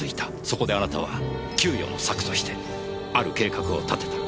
そこであなたは窮余の策としてある計画を立てた。